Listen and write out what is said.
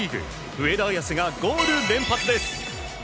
上田綺世がゴール連発です。